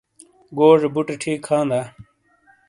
گوجے بوٹے ٹھیک ھا دا